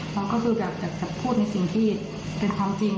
มันก็คืออยากจะพูดในสิ่งที่เป็นความจริง